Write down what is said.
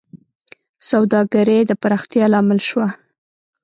سوداګرۍ د پراختیا لامل شوه.